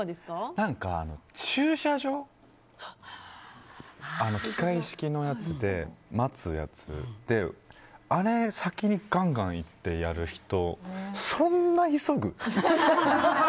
駐車場、機械式のやつで待つやつって、あれ先にガンガン行ってやる人そんな急ぐ？